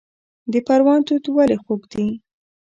د پروان توت ولې خوږ دي؟